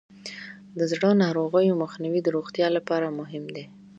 د زړه ناروغیو مخنیوی د روغتیا لپاره مهم دی.